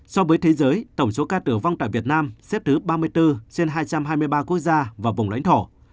so với thế giới tổng số ca tử vong tại việt nam xếp thứ ba mươi bốn trên hai trăm hai mươi ba quốc gia và vùng lãnh thổ